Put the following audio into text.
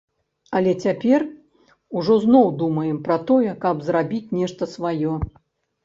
Але цяпер ужо зноў думаем пра тое, каб зрабіць нешта сваё.